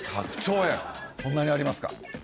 そんなにありますか？